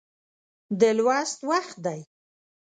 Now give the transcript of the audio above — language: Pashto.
د لوست وخت دی